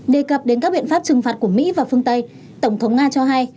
đề cập đến các biện pháp trừng phạt của mỹ và phương tây tổng thống nga cho hay